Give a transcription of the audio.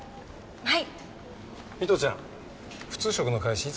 はい。